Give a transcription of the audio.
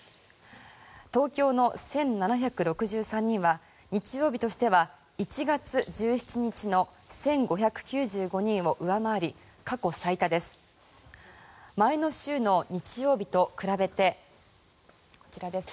東京の１７６３人は日曜日としては１月１７日の１５９５人を上回り過去最多です。